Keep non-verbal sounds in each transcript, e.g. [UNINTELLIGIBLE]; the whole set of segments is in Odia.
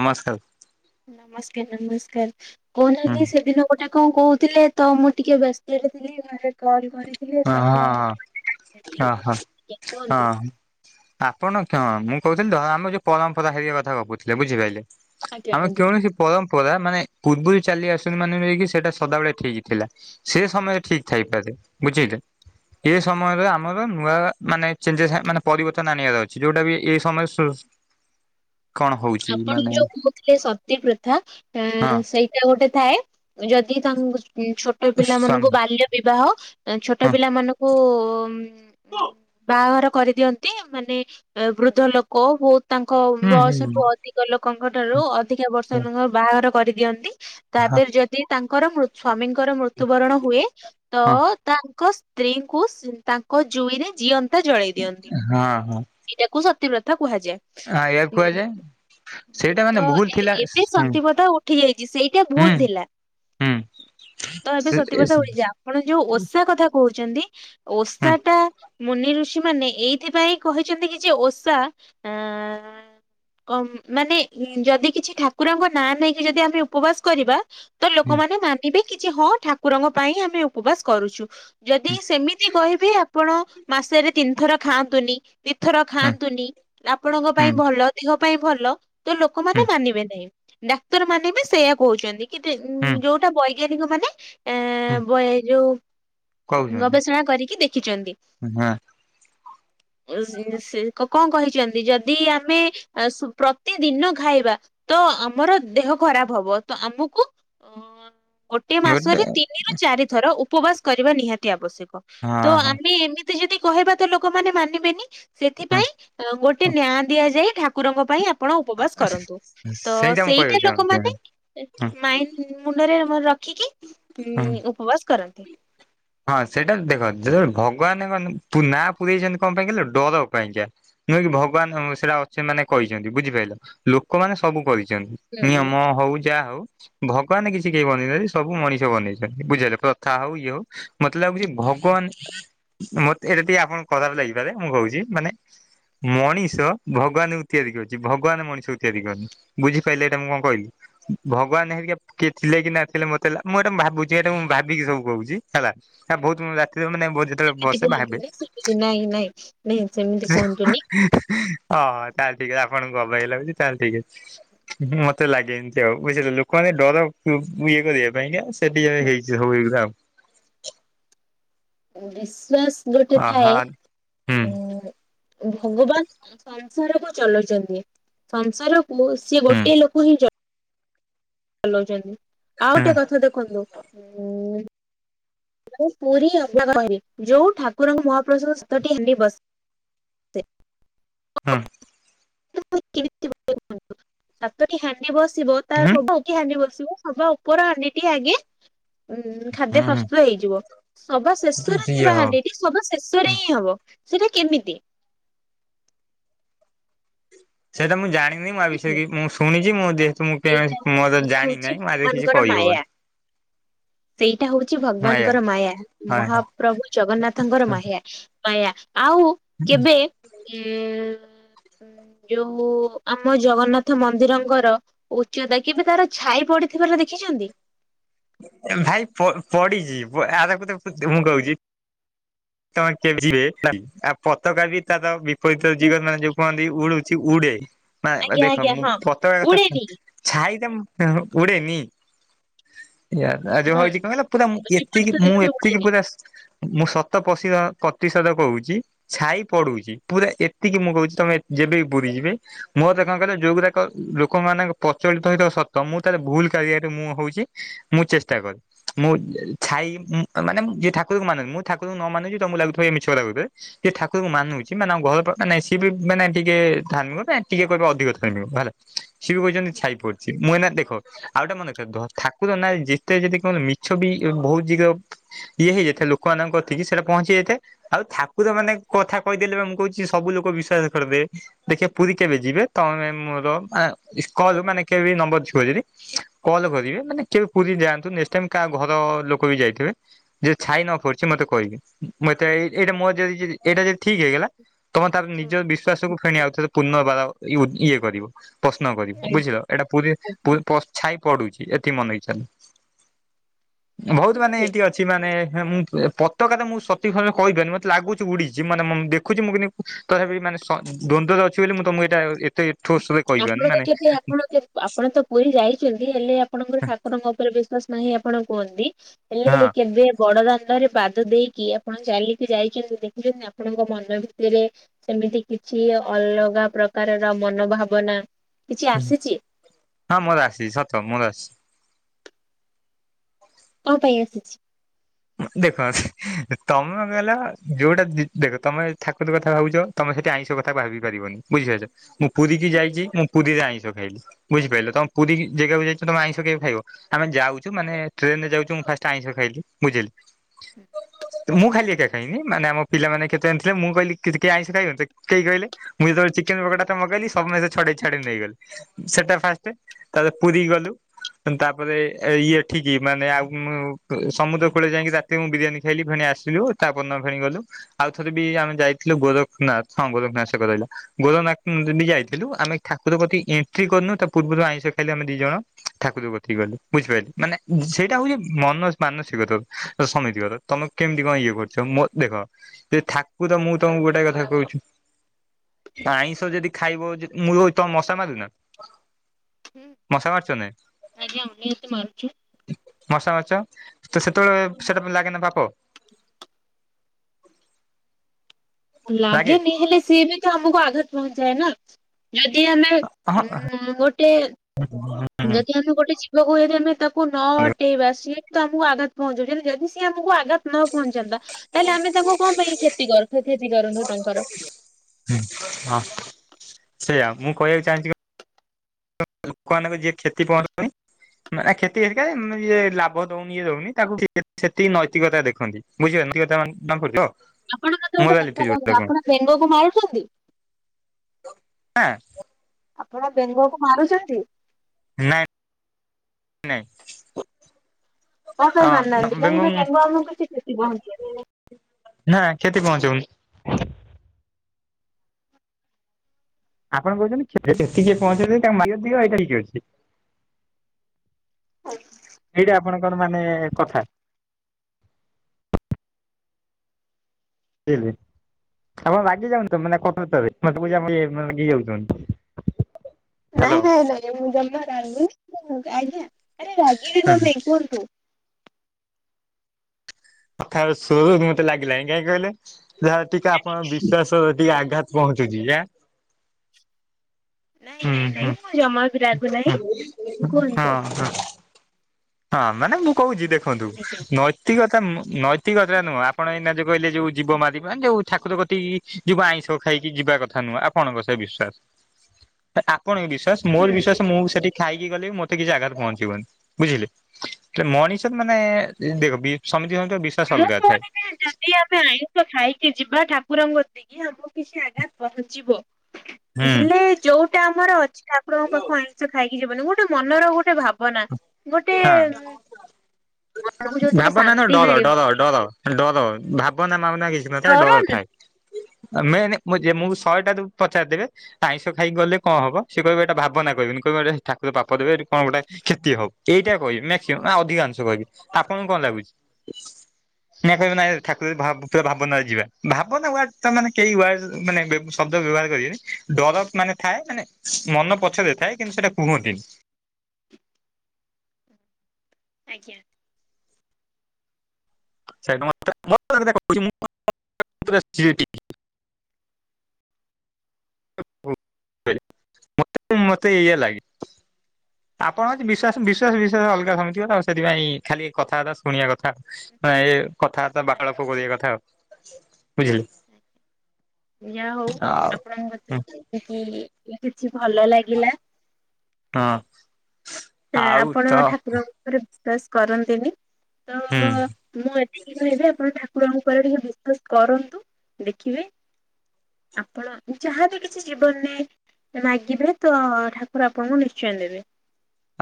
ନମସ୍କାର। ନମସ୍କାର, ନମସ୍କାର, ହୁଁ କହୁନାହାନ୍ତି ସେଦିନ ଗୋଟେ କଣ କହୁଥିଲେ ତ ମୁଁ ଟିକେ ବ୍ୟସ୍ତରେ ଥିଲି ଘରେ କଲ୍ କରିି ହଁ, ହଁ, ହଁ, ହଁ, ହଁ, କୁହନ୍ତୁ। ହଁ। ଆପଣ କଣ ମୁଁ କହୁଥିଲି ଧର ଆମ ଯୋଉ ପରମ୍ପରା ହେରିକା କଥା ଗପୁଥିଲେ ବୁଝିପାଇଲେ? ଆଜ୍ଞା ଆମେ ଆଜ୍ଞା କୌଣସି ପରମ୍ପରା ମାନେ ପୂର୍ବରୁ ଚାଲି ଆସୁନୁ ମାନେ ବି ସେଇଟା ସଦାବେଳେ ଠିକ୍ ଥିଲା। ସେ ସମୟ ଠିକ୍ ଥାଇପାରେ ବୁଝିଲେ। ଏ ସମୟରେ ଆମର ନୂଆ ମାନେ ଚେଞ୍ଜେସ୍ ମାନେ ପରିବର୍ତ୍ତନ ଆଣିବାର ଅଛି ଯୋଉଟା ବି ଏ ସମୟରେ ସୁ କଣ ହଉ ଆପଣ ଯୋଉ କହୁଥିଲେ ସତୀ ପ୍ରଥା ହଁ ଏଁ ସେଇ ସେ ଗୋଟେ ଥାଏ ଯଦି ତାଙ୍କୁ ଛୋଟ ପିଲା ସ୍ଵାମୀ ମାନଙ୍କୁ ବାଲ୍ୟ ବିବାହ ଛୋଟ ହଁ ପିଲା ମାନଙ୍କୁ ଉଁ [INAUDIBLE] ବାହାଘର କରିଦିଅନ୍ତି ମାନେ ବୃଦ୍ଧ ଲୋକ ବହୁତ ତାଙ୍କ ହୁଁ ବୟସଠୁ ହୁଁ ଅ ଅଧିକ ଲୋକଙ୍କ ଠାରୁ ଅଧିକା ବର୍ଷ ହଁ ଏମାଙ୍କୁ ବାହାଘର କରିଦିଅନ୍ତି ହଁ ତାଦେରେ ଯଦି ତାଙ୍କର ମୃତ୍ୟୁ ସ୍ଵାମୀଙ୍କର ମୃତ୍ୟୁବରଣ ହୁଏ ତ ତାଙ୍କ ସ୍ତ୍ରୀଙ୍କୁ ତାଙ୍କ ଜୁଇରେ ଜୀଅନ୍ତା ଜଳାଇ ଦିଅନ୍ତି। ହଁ ହଁ ଏଇଟାକୁ ସତୀପ୍ରଥା କୁହାଯାଏ। ଆଗ୍ୟା କୁହାଯାଏ। ହୁଁ ସେଇଟା ମାନେ ତ ଭୁଲ ଥିଲା ଏବେ ହୁଁ ସତୀପଥା ଉଠି ଯାଇଛି ସେଇଟା ହୁଁ ଭୁଲ୍ ଥିଲା। ହୁଁ ତ ଏବେ ସେ ଏ ସତୀପଥା ସେ ଉଳିଚି ଆପଣ ଯୋଉ ଓଷା କଥା କହୁଛନ୍ତି ହୁଁ ଓଷା ଟା ମୁନି ଋଷି ମାନେ ଏଇଥିପାଇଁ କହିଛନ୍ତି କି ଯେ ଓଷା ଆଁ କମ୍ ମାନେ ଯଦି କିଛି ଠାକୁରଙ୍କ ନାଁ ନେଇକି ଯଦି ଆମେ ଉପବାସ କରିବା ତ ହୁଁ ଲୋକମାନେ ମା ନିବେ କି ଯେ ହଁ ଠାକୁରଙ୍କ ପାଇଁ ଆମେ ଉପବାସ କରୁଛୁ। ଯଦି ହୁଁ ସେମିତି କହିବି ଆପଣ ମାସରେ ତିନିଥର ଖାଆନ୍ତୁନି। ଦିଥର ହୁଁ ଖାଆନ୍ତୁନି ଆପଣଙ୍କ ହୁଁ ପାଇଁ ଭଲ ଦିହ ପାଇଁ ଭଲ ତ ହୁଁ ଲୋକମାନେ ମାନିବେ ନାହିଁ। ଡାକ୍ତର ମାନେ ବି ସେୟା କହୁଛନ୍ତି କି ହୁଁ ଯୋଉଟା ବୈଜ୍ଞାନିକ ମାନେ ହୁଁ ଏଁ ବୈ ଯୋଉ କହୁଛନ୍ତି ଗବେଷଣା କରିକି ଦେଖିଛନ୍ତି। ହଁ ସେ କଣ କହିଛନ୍ତି ଯଦି ଆମେ ସୁ ପ୍ର ତେ ଦିନ ଖାଇବା ତ ଆମର ଦେହ ଖରାପ ହବ ତ ଆମକୁ? ହଁ, ଗୋଟ୍ ଗୋଟିଏ ଗୋଟେ ମାସରେ ତିନିରୁ ଚାରି ଥର ଉପବାସ କରିବା ନିହାତି ଆବଶ୍ୟକ ତ ହଁ ଆମେ ଏମତି ଯଦି କହିବା ତ ଲୋକମାନେ ମାନିବେନି ହଁ। ସେଥିପାଇଁ ଗୋଟେ ହଁ ନାଁ ଦିଆଯାଏ ଠା କୁରଙ୍କ ପାଇଁ ଆପଣ ଉପବାସ ହଁ କରନ୍ତୁ, ତ ମୁଁ କହିବାକୁ ସେଇଟା ଚାହୁଁଛି ହଁ ଲୋକମାନେ ଏ ମାଇଣ୍ଡ୍ ମୁଣ୍ଡରେ ରଖିକି ହଁ। ଉ ଉପବାସ କରନ୍ତି। ହଁ ସେଟା ଦେଖ ଯେତଳେ ଭଗବାନ ନାଁ ପୁରେଇଛନ୍ତି କଣ ପାଇଁ କହିଲ ଡର ପାଇଁକା। ନୁହେଁ କି ଭଗବାନ ସେଟା ଅଛି ମାନେ କହିଛନ୍ତି ବୁଝିପାରିଲ ଲୋକମାନେ ସବୁ କରିଛନ୍ତି। ହୁଁ ନିୟମ ହଉ ଯାହା ହଉ। ଭଗବାନ କିଛି କେହି ବନେଇନାହାନ୍ତି ସବୁ ମଣିଷ ବନେଇଛନ୍ତି ବୁଝିିହେଲା ପ୍ରଥା ହଉ ଇଏ ହଉ। ମତେ ଲାଗୁଛି ଭଗବାନ ମତେ ଏଇଟା ଟିକେ ଆପଣଙ୍କୁ ଖରାପ ଲାଗିପାରେ ମୁଁ ଭାଵୁଛି ମାନେ? ମଣିଷ ଭଗବାନଙ୍କୁ ତିଆରି କରିଛି ଭଗବାନ ମଣିଷକୁ ତିଆରି କରନି। ବୁଝିପାଇଲେ ଏଟା ମୁଁ କଣ କହିଲି? ଭଗବାନ ହେରିକା କିଏ ଥିଲେ କି ନାଥିଲେ ମତେ ଲା ମୁଁ ଏଇଟା ଭାବୁଛି ଏଇଟା ମୁଁ ଭାବିକି ସବୁ କହୁଛି। ହେଲା ବହୁତ ରାତିରେ ମାନେ ବହୁ ଯେତଳେ ଏମିତି ବସେ ଭାବେ। କୁହନ୍ତୁନି ସେମିତି ନାଇଁ ନାଇଁ ନାଇଁ ସେମିତି ସେ କୁହନ୍ତୁନି। ଓହୋ ତାହେଲେ ଟିକିଏ ଆପଣଙ୍କୁ ଅବାଗିଆ ଲାଗୁଛି ତାହଲେ ଠିକ୍ ଅଛି। ହୁଁ ମତେ ଲାଗେନି ବୁଝିଲେ ଲୋକମାନେ ଡର ଇଏ କରିବା ପାଇଁକା ଏତିକିବେଳେ ହେଇଛି ସବୁ ଏଗୁଡା। ବିଶ୍ଵାସ୍ ଗୋଟେ ଅହ ଥାଏ ହୁଁ ଉଁ ଭଗବାନ ସଂସାର କୁ ଚଲେଉଚନ୍ତି ସଂସାରକୁ ସିଏ ଗୋଟେ ଲୋକ ହିଁ। ଚଲଉଚନ୍ତି ଆଉ ହୁଁ ଗୋଟେ କଥା ଦେଖନ୍ତୁ ଉ ମୁଁପୁରୀ ଅବ ଯୋଉ ଠାକୁରଙ୍କ ମହାପ୍ରସାଦ ସାତଟିହାଣ୍ଡି ବସେ। ହୁଁ। ସାତ ଟି ହାଣ୍ଡି ବସିବ ହୁଁ ତାଉରେ ହାଣ୍ଡି ବସିବ ସବା ଉପର ହାଣ୍ଡି ଟି ଆଗେ ଉଁ ଖାଦ୍ୟ ହୁଁ ହୁଁ ପ୍ରସ୍ତୁତ ହେଇଯିବ ସବା ଶେଷରେ ଇଏ ହବ। ଥିବାହାଣ୍ଡି ଟି ସବା ଶେଷରେ ହିଁ ହବ ସେଇଟା କେମିତି? ସେଇଟା ମୁଁ ଜାଣିନି ମୁଁଆ ବିଷୟରେ କି ମୁଁ ଶୁଣିଛି ମୁଁ ସେଇଟା ମୋ ସେଇଟା ହଉଛି ଜାଣିନାହିଁ ଆଦିହରେ କିଛି ଭଗବାନଙ୍କର କହିହବନି। ମାୟା। ସେଇଟା ହେଉଛି ହଁ ଭଗବାନଙ୍କର ମାୟା ଆଜ୍ଞା ମହାପ୍ରଭୁ ଜଗନ୍ନାଥଙ୍କର ମାୟା। ପାଇୟା ଆଉ କେବେ ଉ ଯୋଉ ଆମ ଜଗନ୍ନାଥ ମନ୍ଦିରଙ୍କର ଉଚ୍ଚତା କେବେ ତାର ଛାଇ ପଡିଥିବାର ଦେଖିଛନ୍ତି। ଭାଇ ପପଡିିଛି ଆ କ ମୁଁ କହୁଛି ତ କେବେ ଯିବେ ଆଉ ପତାକା ବି ତାର ଯୋଉ କୁହନ୍ତି ଉଡୁଛି ଉଡେ ଆଜ୍ଞା ଦେଖ ଆଜ୍ଞା ମୁଁ ହଁ ପତକା କଥା ଉଡେନି କୁହ ଛାଇ ଟା ଉଡ଼େ କି? ୟ ଆ ଯୋଉ ହୁଁ ହଉଛି କଣ କହିଲ ପୁରା ଏତିକି ବିପରୀତ ମୁଁ ଦିଗରେ ଏତିକି ଉଡେନି। ପୁରା ମୁଁସ ତ ପସିଳପ୍ରତିଷୋଧ କହୁଛି। ଛାଇ ପଡୁଛି ପୁରା ଏତିକି ମୁଁ କହୁଛି ତମେ ଯେବେ ବି ପୁରି ଯିବେ। ମୋଦେଖନ୍ତରେ ଯୋଉୁରାକ ଲୋକ ମାନଙ୍କ ପ୍ରଚଳିତ ହେଥିବା ସତ ମୁଁ ତାହେଲେ ଭୁଲ୍ କା ରିଆମୁଁ ହଉଛି। ମୁଁ ଚେଷ୍ଟା କରେ ମୁଁ ଛାଇ ମାନେ ଯିଏ ଠାକୁରକୁ ମାନେ ମୁଁ ଠାକୁର ନ ମାନି ତମକୁ ଲାଗୁଥିବ ଏମିଛକଥା କହିଦେଲେ। ସେଏ ଠାକୁରଙ୍କୁ ମାନୁଛି ମାନେ ଆମ ଘର ମାନେ ସିଏ ବି ମାନେ ଟିକେ ଧାର୍ମିକ ଟିକେ କହିବ ଅଧିକ ଧାର୍ମିକ ହେଲା। ଶିବୁ କହୁଛନ୍ତି ଛାଇ ପଡଛି ମୁଁଏଇ ନା ଦେଖ ଆଉ ଗେଟେ ମନେ ରଖଠାକୁର ନାରେ ଯେତେ ଯଦି ମିଛ ବି ବହୁତ ଯୀଘ୍ର। ଇଏ ହେଇଯେତେ ଲୋକମାନଙ୍କ ଟିକେ ସେଇଟା ପହଞ୍ଚି ଯାଇଥାଏ ଆଉ ଠାକୁର ମାନେ କଥା କହିଦେଲେ ମୁଁ କହୁଛି ସବୁ ଲୋକ ବିଶ୍ଵାସ କରିଦେ। ଦେଖିବେ ପୁରୀ କେବେ ଯିବେ ତମେ ମୋର କେବେ ନମ୍ବର ଥିବ ଯଦି କଲ୍ କରିବେ ମାନେ କେବେ ପୁରୀ ଯାଆନ୍ତୁ ନେକ୍ସଟ୍ ଟାଇମ ଘର ଲୋକ ବି ଯାଇଥିବେ। ଯେ ଛାଇ ନ କରୁଛି ମତେ କହିବି ମ ଏତା ଏଇ ଏଇଟା ମୋର ଯଦି ଏଇଟା ମୋର ଯଦି ଯଦି ଠିକ ହେଇଗଲା ତମେ ତାର ନିଜ ଶୁଣ ଡିସ ଶ୍ୱାସକୁ ଫେଣିି ଆଉ ଥରେ ପୁର୍ନରବାର ଇଓ ଇଏ କରିବ। ପ୍ରଶ୍ନ କରିବୁ ବୁଝିଲ ଏଇଟା ପୁରୀ ପୁରୀ ପ ଛାଇ ପଡୁଛି ଏତି ମନେ [UNINTELLIGIBLE] ବହୁତ ଠିକ ମାନେ ଅଛି ଏମତି ଅ ଛି ମାନେ ମୁ ପତ୍ ତ କଥା ମୁଁ ସତୀ ସମୟରେ କହିପାରୁନି ମତେ ଲାଗୁଛି ଉଡିଛି ମାନେ ମୁ ଦେଖୁଛି ମୁଁ କିନ୍ତୁ ତଥାପି ମାନେ ସ ଦ୍ୱନ୍ଦ୍ୱରେ ଅଛି ବୋଲି ମୁଁ ତମକୁ ଏଇଟା ଏତେ ଠୋସ୍ ରେ କହିପାରୁନି ଆପଣଙ୍କ ମାନେ କେବେ ଆପଣ କେବ୍ ଆପ ଆପଣ ତ ପୁରୀ ଯାଇଛନ୍ତି ହେଲେ ଆପଣଙ୍କର ଠାକୁରଙ୍କ ଉପରେ ବିଶ୍ଵାସ ନାହି ଆପଣ କୁହନ୍ତି। ହେଲେ ହଁ। କେବେ ବଡ ଦାଣ୍ଡରେ ପାଦ ଦେଇକି ଆପଣ ଚାଲିକି ଯାଇଛନ୍ତି ଦେଖିଛନ୍ତି ଆପଣଙ୍କ ମନ ଭିତରେ ସେମିତି କିଛି ଅଲଗା ପ୍ରକାରର ମନୋଭାବନା କିଛି ଆସିଛି? ହଁ ମୋର ଆସିଛି ସତ ମୋର ଆସିଛି। କଣ ପାଇଁ ଆସିଛି? ଦେଖ ତମେ ମତେ କହିଲ ଯୋଉଟା ଦେଖ ତମେ ଠାକୁର କଥା ଭାବୁଛ ତମେ ସେଠି ଆଇଁଷ କଥା ଭାବି ପାରିବନି ବୁଝିପାରୁଛ ମୁଁ ପୁରୀ କି ଯାଇଛି ମୁଁ ପୁରୀରେ ଆଇଁଷ ଖାଇଲି। ବୁଝିପାରିଲ ତ ପୁରୀ ଜାଗାକୁ ଯାଇଛ ତମ ଆଇଁଷ କେବେ ଖାଇବ। ଆମେ ଯାଉଛୁ ମାନେ ଟ୍ରେନରେ ଯାଉଛୁ ମୁଁ ଫାଷ୍ଟ ଆଇଁଷ ଖାଇଲି ବୁଝିଲେ। ମୁଁ ଖାଲି ଏକା ଖାଇନି ମାନେ ଆମ ପିଲାମାନେ କେତେ ଆ ଥିଲେ ମୁଁ କହିଲି କି କେହି ଆଇଁଷ ଖାଇବନି କେହି କହିଲେ ମୁଁ ଯେତେବେଳେ ଚିକେନ ପକୋଡାଟା ମଗେଇଲି ସମସ୍ତେ ଛଡେଇ ଛାଡେଇ ନେଇଗଲେ। ସେଟା ଫାଷ୍ଟ ତାପ ପୁରୀ ଗଲୁ। ତାପରେ ଏଇ ଏଠିକି ମାନେ ଆଉ ସମୁଦ୍ର କୂଳେ ଯାଇକି ରାତିରେ ମୁଁ ବିରିୟାନ ଖାଇଲି। ଫେଣି ଆସିଲୁ ତାପରଦିନ ଫେଣି ଗଲୁ। ଆଉଥରେ ବି ଆମେ ଯାଇଥିଲୁ ଗୋରଖନାଥ ହଁ ଗୋରଖନାଥ ସେକରେ ରହିଲା। ଗୋରଖନାଥ ଦ ଯାଇଥିଲୁ। ଆମେ ଠାକୁର କତିକି ଏଣ୍ଟ୍ରି କରିନୁ ତା ପୂର୍ବରୁ ଆଇଁଷ ଖାଇଲୁ ଆମେ ଦି ଜଣ। ଠାକୁର କତିକି ଗଲେ ବୁଝିପାରିଲେ ମାନେ ସେଇଟା ହଉଛି ମନ ମାନସିକତା। ସମିତି କଥା। ତମେ କେମିତି କଣ ଇଏ କରୁଛ ମୋ ଦେଖ ସେ ଠାକୁର ମୁଁ ତମକୁ ଗୋଟାଏ କଥା କହୁଛି। ଆଇଁଷ ଯଦି ଖାଇବ ଯେ ମୁଁ କହୁଚି ତମେ ମଶା ମାରିନ? ମଶା ମାରୀଚ ଆଜ୍ଞା ଉନ୍ନତି ମାରୁଛୁ ନାଇ ମଶା ମାରୀଚ? କେତେବେଳେ ସେଟା ଲାଗେନା ପାପ? ଲାଗେ ଲାଗେନି ହେଲେ ସିଏ ବି ତ ଆମକୁ ଆଘାତ ପହଞ୍ଚାଏ ନା। ଯଦି ଆମେ ହଁ ଉ ଗୋଟେ ଯଦି ଆମେ ଗୋଟେ ଜିବକୁ ହେଇଥାନ୍ତା ତାପ କୁ ନ ଅଟେଇବା ସିଏ ବି ତ ଆମକୁ ଆଘାତ ପହଞ୍ଚାଉ ଯଦି ସିଏ ଆମକୁ ଆଘାତ ନ ପହଞ୍ଚାନ୍ତା। ତାହେଲେ ଆମେ ତାଙ୍କୁ କଣ ପାଇଁ କ୍ଷତି କର କ୍ଷତି କରନ୍ତୁ ତାଙ୍କର। ହୁଁ ହଁ ସେଇଆ ମୁଁ କହିବାକୁ ଚାହୁଁଛି କ ଲୋକମାନଙ୍କୁ ଯିଏ କ୍ଷତି କରନି [INAUDIBLE] ନା କ୍ଷତିିହେରିକା ଇଏ ଲାଭ ଦଉନି ଇଏ ଦଉନି ତାକୁ ସେତିକି ନୈତିକତା ଦେଖନ୍ତି। ବୁଝିପାର ନୈତିକତା ମାନେ [INAUDIBLE] ଆପଣ ମତେ ଗୋଟେ କଥା କହନ୍ତୁ ଆପଣ ବେଙ୍ଗ କୁ ମାରୁଛନ୍ତି? ହଁ। ଆପଣ ବେଙ୍ଗ କୁ ମାରୁଛନ୍ତି? ନାଇଁ ନାଇଁ। କଣ ପାଇଁ ହଁ ମାରୁନାହାନ୍ତି କାହିଁକିନା ବେଙ୍ଗକୁ ବେଙ୍ଗ ଆମଙ୍କୁ କିଛି କ୍ଷତି ପହଞ୍ଚାଇନାହାନ୍ତି।। ନା କ୍ଷତ ପହଞ୍ଚିବା। ଆପଣ କହୁଛନ୍ତି୍ଷ ସେତିକି ପହଞ୍ଚେଇଛି ତା ମ ଦିଅ ଏଇଟା ହେଠି ଅଛି। ଏଇଟା ଆପଣଙ୍କର ମାନେ କଥା? ଲି ଲୀ। ଆପଣ ରାଗି ଯାଆନ୍ତୁ ମାନେ କଥାଟାରେ ମୁ ଯେମିତି ଯାଉଛନ୍ତି। ନାଇଁ ହ୍ୟାଲୋ ନାଇଁ ନାଇଁ ମୁଁ ଜମା ରାଗି ନୁହେଁ ଆଜ୍ଞା ଆରେ ରାଗି ବି କାଇ କୁହନ୍ତୁ? କଥାର ସୁରୁ ମତେ ଲାଗିଲାଣି କାହିଁ କହିଲେ ଯାହା ଟିକେ ଆପଣଙ୍କ ବିଶ୍ୱାସର ଟିକେ ଆଘାତ ପହଞ୍ଚୁଛି ଯା। ନାଇଁ ହୁଁ ନାଇଁ ହୁଁ ନାଇଁ ମୁଁ ଜମା ବି ରାଗୁ ନାହିଁ ହୁଁ ହଁ କୁହନ୍ତୁ? ହଁ ହଁ ମାନେ ମୁଁ କହୁଛି ଦେଖନ୍ତୁ ଆଜ୍ଞା ନୈତିକତା ନୈତିକତା ନୁହଁ ଆପଣ ଏଇନା ଯୋଉ କହିଲେ ଯୋଉ ଜୀବ ମାରିବା ଯୋଉ ଠାକୁର କତିକି ଯିବ ଆଇଁଷ ଖାଇକି ଯିବା କଥା ନୁହଁ ଆପଣଙ୍କ ସହ ବିଶ୍ଵାସ [UNINTELLIGIBLE] ଆପଣଙ୍କ ବିଶ୍ୱାସ ମୋର ହୁଁ। ବିଶ୍ୱାସ ମୁଁ ସେଠି ଖାଇକି ଗଲେ ମତେ କିଛି ଆଘାତ ପହଞ୍ଚିବନି ବୁଝିଲେ? ହେଲେ ମଣିଷ ମାନେ ଦେଖ ସମିତିଙ୍କର ବିଶ୍ଵାସ ମୁଁ ଅଲଗା ଥାଏ। କହୁଥିଲି ଯଦି ଆମେ ଆଇଁଷ ଖାଇକି ଯିବା ଠାକୁରଙ୍କ କତିକି ଆମକୁ କିଛି ଆଘାତ ପହଞ୍ଚିବ। ହୁଁ ହେଲେ ଯୋଉଟା ଆମର ଅଛି ଠାକୁରଙ୍କ ପାଖକୁ ଆଇଁଷ ଖାଇକି ଯିବନି ଗୋଟେ ମନର ଗୋଟେ ଭାବନା ଗୋଟେ ହଁ ମନକୁ ଯୋଉଥିରେ ଭାବନା ନୁହଁ ଶାନ୍ତି ଡର ମିଳିବ। ଡର ଡର ଡର ଭାବନା ମାବନା କିଛି ନଥାଏ ଡର ସରଣ ଥାଏ। ଆମେ ମୁଁ ଶହେଟା ପଚାରିଦେବେ। ଆଇଁଷ ଖାଇକି ଗଲେ କଣ ହବ ସେ କହିବ ଏଟା ଭାବନା କହିବନି କହିବେ ଠାକୁର ପାପ ଦେବେ କଣ ଗୋଟେ କ୍ଷତି ହବ? ଏଇଟା କହିବି ମାକ୍ସିମମ ଅଧିକାଂଶ କହିବି ଆପଣଙ୍କୁ କଣ ଲାଗୁଛି? ନା କହିବେ ନା ଠାକୁର ପୁରା ଭାବନାରେ ଯିବା ଭାବନା ୱାର୍ଡ ତ ମାନେ କେହି ୱାର୍ ମାନେ ଶବ୍ଦ ବ୍ୟବହାର କରିବେ। ଡର ମାନେ ଥାଏ ମାନେ ମନ ପଛରେ ଥାଏ କିନ୍ତୁ ସେଇଟା କୁହନ୍ତି। ଆଜ୍ଞା। [INAUDIBLE] ମତେ ମତେ ଏଇୟା ଲାଗେ। ଆପଣ ଅଛି ବିଶ୍ୱାସ ବିଶ୍ୱାସ ନିହାତି ଆଜ୍ଞା। ବିଶ୍ୱାସ ଅଲଗା ସମିଯିବ ଆଉ ସେଥିପାଇଁଖାଲି କଥାବାର୍ତା ଶୁଣିବା କଥା ଏ କଥା ବାର୍ତ୍ତା ବାହାଳ କରିବା କଥା ଆଉ ବୁଝିଲେ। ଯା ହଉ ଆଉ ଆପଣଙ୍କ କତିରେ ହଁ କି କିଛି ଭଲ ଲାଗିଲା। ହଁ ଆଉ ଆପଣ ତ ଠାକୁରଙ୍କ ଉପରେ ବିଶ୍ଵାସ କରନ୍ତିନି ତ ହୁଁ ମୁଁ ଏତିକି କହିବି ଆପଣ ଠା ଠାକୁରଙ୍କ ଉପରେ ଟିକେ ବିସ୍ବାସ କରନ୍ତୁ ଦେଖିବେ ଆପଣ ଯାହାବି କିଛି ଜୀବନରେ ମାଗିବେ ତ ଠାକୁର ଆପଣଙ୍କୁ ନିଶ୍ଚୟ ଦେବେ।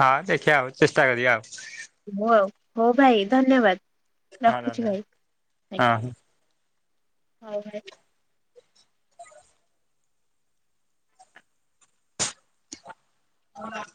ହଁ ଦେଖିବା ଆଉ ଚେଷ୍ଟା କରିବା ଆଉ ହଉ ହଉ ଭାଇ ଧନ୍ୟବାଦ ହଁ ରଖୁଛି ଧନ୍ୟବାଦ ଭାଇ ହଁ। ଆଜ୍ଞା। ହଉ ଭାଇ। ହଁ।